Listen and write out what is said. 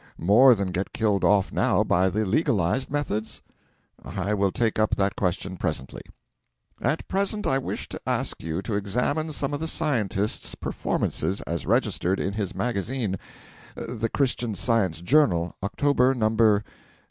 More than get killed off now by the legalised methods? I will take up that question presently. At present I wish to ask you to examine some of the Scientist's performances, as registered in his magazine, 'The Christian Science Journal' October number, 1898.